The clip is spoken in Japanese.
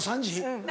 うん。